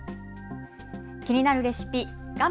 気になるレシピ、画面